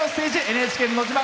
「ＮＨＫのど自慢」。